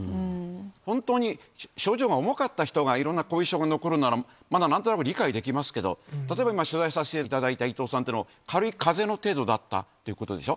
本当に症状が重かった人がいろんな後遺症が残るなら、まだなんとなく理解できますけど、例えば今、取材させていただいた伊藤さんっていうのは、軽いかぜの程度だったっていうことでしょ。